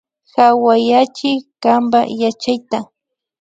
Hawayachi kanpa yachayta